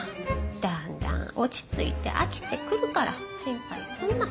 だんだん落ち着いて飽きてくるから心配すんな。